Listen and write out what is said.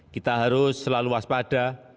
kita harus selalu waspada